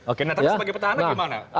oke nah tapi sebagai petahana gimana